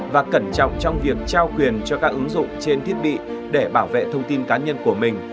và cẩn trọng trong việc trao quyền cho các ứng dụng trên thiết bị để bảo vệ thông tin cá nhân của mình